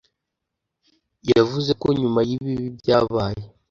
yavuze ko nyuma y’ibibi byabaye